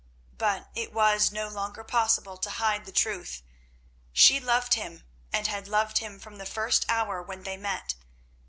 But it was no longer possible to hide the truth. She loved him, and had loved him from the first hour when they met.